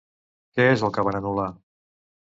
Què és el que van anul·lar?